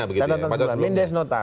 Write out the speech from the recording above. catatan sebelumnya mindes nota